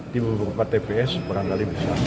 di beberapa tps barangkali bisa